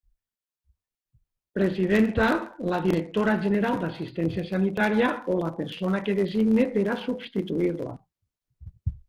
Presidenta: la directora general d'Assistència Sanitària o la persona que designe per a substituir-la.